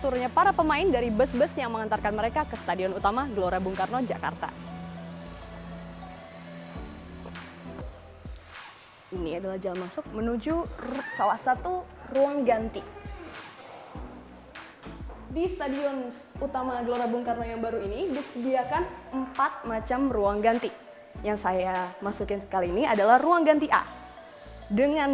tim nasional indonesia dan islandia berkesempatan untuk mencoba berbagai fasilitas baru stadion utama gelora bukarno akan digunakan untuk pertandingan persahabatan antara tim nasional indonesia u dua puluh tiga dengan tni